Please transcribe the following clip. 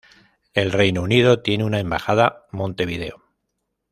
El Reino Unido tiene una embajada Montevideo.